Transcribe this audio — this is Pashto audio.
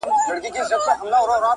د بابا د مړیني سیمه اوس